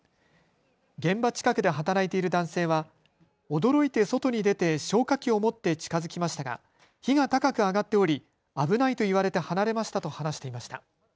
現場近くで働いている男性は驚いて外に出て消火器を持って近づきましたが火が高く上がっており、危ないと言われて離れましたと話していました。